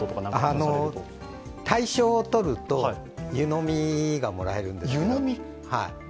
大賞を取ると湯飲みがもらえるんですよ。